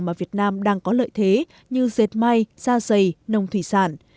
mà việt nam đang có lợi thế như dệt may da dày nông thủy sản